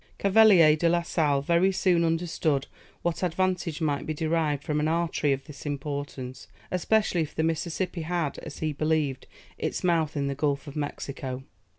Cavelier de la Sale very soon understood what advantage might be derived from an artery of this importance, especially if the Mississippi had, as he believed, its mouth in the Gulf of Mexico.